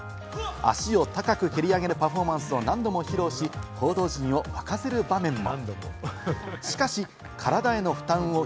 足を高く蹴り上げるパフォーマンスを何度も披露し、報道陣を沸かせる場面も。